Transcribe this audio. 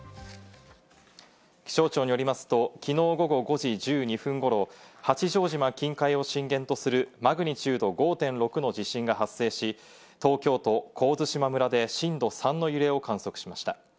気象庁によりますと昨日午後５時１２分頃、八丈島近海を震源とするマグニチュード５．６の地震が発生し、東京都神津島村で震度３の揺れを観測しました。